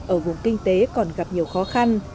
ở vùng kinh tế còn gặp nhiều khó khăn